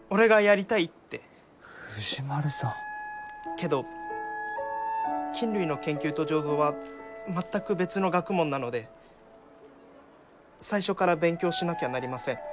けど菌類の研究と醸造は全く別の学問なので最初から勉強しなきゃなりません。